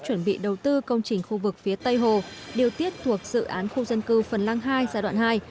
chuẩn bị đầu tư công trình khu vực phía tây hồ điều tiết thuộc dự án khu dân cư phần lăng hai giai đoạn hai